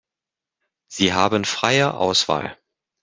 Sie haben freie Auswahl.